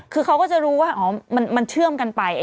คือเขาก็จะรู้ว่ามันเชื่อมกันไป